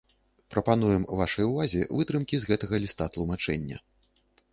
Прапануем вашай увазе вытрымкі з гэтага ліста-тлумачэння.